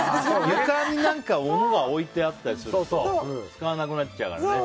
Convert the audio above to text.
床に何か物が置いてあったりすると使わなくなっちゃうからね。